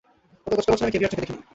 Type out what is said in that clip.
গত দশটা বছর আমি ক্যাভিয়ার চেখে দেখিনি!